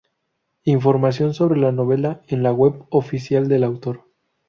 Información sobre la novela en la web oficial del autor.